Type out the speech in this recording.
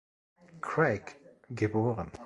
Craig, geboren.